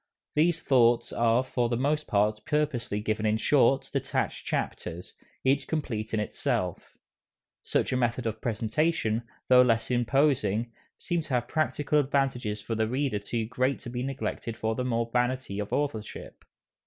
These thoughts are for the most part purposely given in short, detached chapters, each complete in itself. Such a method of presentation, though less imposing, seemed to have practical advantages for the reader too great to be neglected for the mere vanity of authorship.